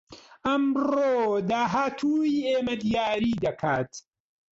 ئەمڕۆ داهاتووی ئێمە دیاری دەکات